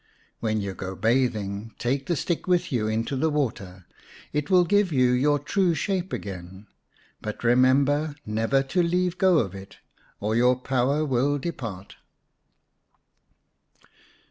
When you go bathing take the stick with you into the water ; it will give you your true shape again. But remember never to leave go of it, or your power will depart."